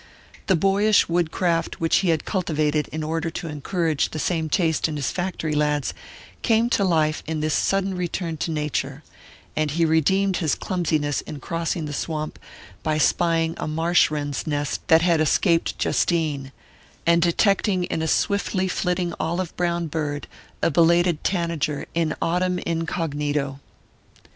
The boyish wood craft which he had cultivated in order to encourage the same taste in his factory lads came to life in this sudden return to nature, and he redeemed his clumsiness in crossing the swamp by spying a marsh wren's nest that had escaped Justine, and detecting in a swiftly flitting olive brown bird a belated tanager in autumn incognito.